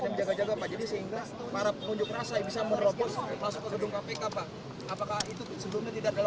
jadi sehingga para penunjuk rasa yang bisa melopos masuk ke gedung kpk pak